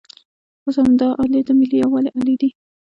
اوس همدا الې د ملي یووالي الې ده.